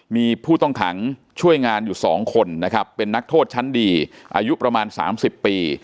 มีผู้ต้องขังช่วยงานอยู่๒คนนะครับเป็นนักโทษชั้นดีอายุประมาณ๓๐ปี